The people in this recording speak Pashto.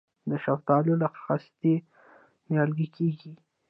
د شفتالو له خستې نیالګی کیږي؟